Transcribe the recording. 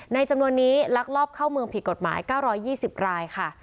จำนวนนี้ลักลอบเข้าเมืองผิดกฎหมาย๙๒๐รายค่ะ